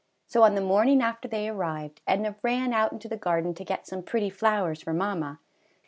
So on the morning after they arrived, Edna ran out into the garden to get some pretty flowers for mamma.